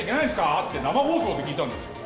って生放送で聞いたんです。